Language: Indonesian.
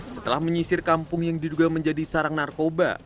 setelah menyisir kampung yang diduga menjadi sarang narkoba